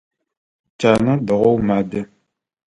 Тянэ дэгъоу мадэ.